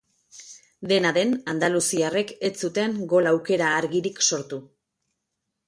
Dena den, andaluziarrek ez zuten gol aukera argirik sortu.